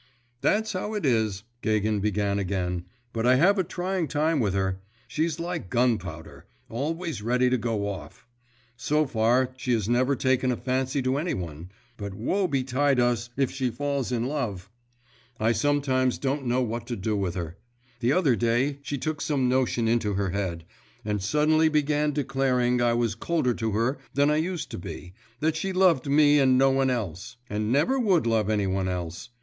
'That's how it is,' Gagin began again; 'but I have a trying time with her. She's like gun powder, always ready to go off. So far, she has never taken a fancy to any one, but woe betide us, if she falls in love! I sometimes don't know what to do with her. The other day she took some notion into her head, and suddenly began declaring I was colder to her than I used to be, that she loved me and no one else, and never would love any one else.